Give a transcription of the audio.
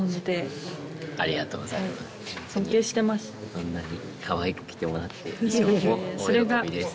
こんなにかわいく着てもらって衣装も大喜びです